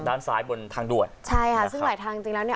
ด้านซ้ายบนทางด่วนใช่ค่ะซึ่งหลายทางจริงแล้วเนี่ย